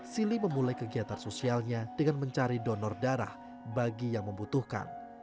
sili memulai kegiatan sosialnya dengan mencari donor darah bagi yang membutuhkan